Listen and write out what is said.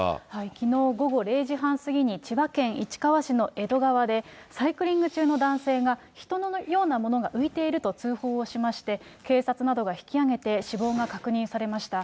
きのう午後０時半過ぎに、千葉県市川市の江戸川で、サイクリング中の男性が、人のようなものが浮いていると通報をしまして、警察などが引き揚げて死亡が確認されました。